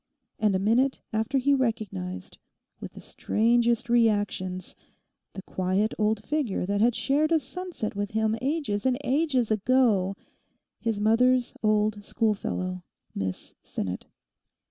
And a minute after he recognised with the strangest reactions the quiet old figure that had shared a sunset with him ages and ages ago—his mother's old schoolfellow, Miss Sinnet.